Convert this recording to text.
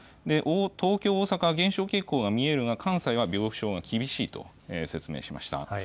東京、大阪は減少傾向が見えるが、関西は病床が厳しいと説明しました。